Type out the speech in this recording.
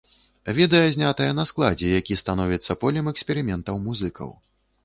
Відэа знятае на складзе, які становіцца полем эксперыментаў музыкаў.